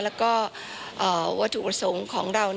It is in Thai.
แล้วก็วัตถุประสงค์ของเรา